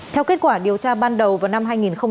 theo kết quả điều tra ban đầu vào năm hai nghìn một mươi